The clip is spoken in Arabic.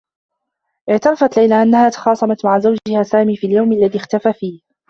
اعترفت ليلى أنّها تخاصمت مع زوجها سامي في اليوم الذي اختفى فيه.